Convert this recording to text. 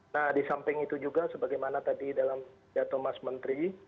nah di samping itu juga sebagaimana tadi dalam pidato mas menteri